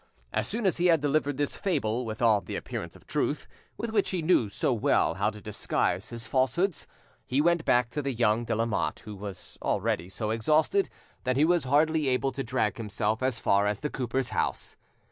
As soon as he had delivered this fable with all the appearance of truth with which he knew so well how to disguise his falsehoods, he went back to the young de Lamotte, who was already so exhausted that he was hardly able to drag himself as far as the cooper's house.